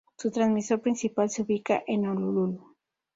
Su transmisor principal se ubica en Honolulu.